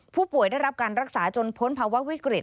ผู้ป่วยได้รับการรักษาจนพ้นภาวะวิกฤต